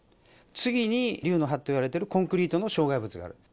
次に、竜の歯といわれているコンクリートの障害物がある。